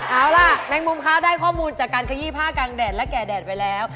เอาล่ะแมงมุมคะได้ข้อมูลจากการขยี้ผ้ากลางแดดและแก่แดดไปแล้ว